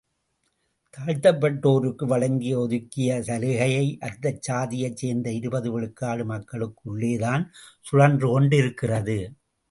தாழ்த்தப்பட்டோருக்கு வழங்கிய ஒதுக்கியச் சலுகை அந்தச்சாதியைச் சேர்ந்த இருபது விழுக்காடு மக்களுக்குள்ளேதான் சுழன்றுக் கொண்டிருக்கிறது.